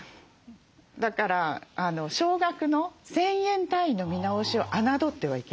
だから少額の１，０００円単位の見直しを侮ってはいけないんです。